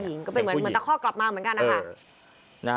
เสียงผู้หญิงเหมือนตะขอกลับมาเหมือนกัน